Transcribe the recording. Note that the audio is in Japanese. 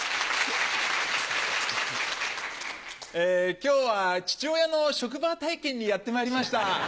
今日は父親の職場体験にやってまいりました。